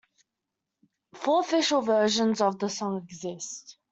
Four official versions of the song exist.